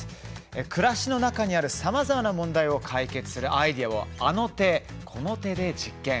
暮らしの中にある、さまざまな問題を解決するアイデアをあの手この手で実験。